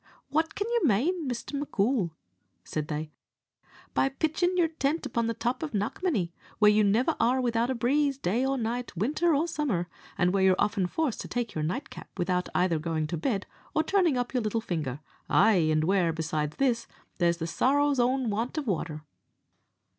"What can you mane, Mr. M'Coul," said they, "by pitching your tent upon the top of Knockmany, where you never are without a breeze, day or night, winter or summer, and where you're often forced to take your nightcap without either going to bed or turning up your little finger; ay, an' where, besides this, there's the sorrow's own want of water?"